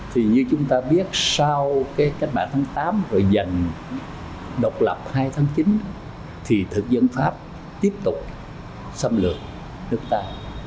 thì như chúng ta biết sau cái cách mạng tháng tám rồi dành độc lập hai tháng chín thì thực dân pháp tiếp tục xâm lược nước ta